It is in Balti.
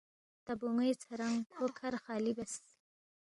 تا بون٘وے ژھرانگ کھو کھر خالی بیاس